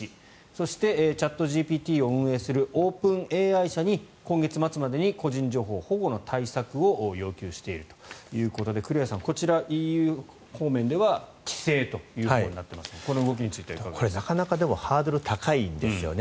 そして、チャットＧＰＴを運営するオープンＡＩ社に今月末までに個人情報保護の対策を要求しているということで栗原さん、こちら、ＥＵ方面では規制となっていますがこの動きについては。これ、なかなかハードルが高いんですよね。